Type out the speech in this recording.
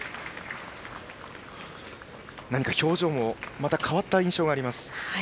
何か表情もまた変わった印象です。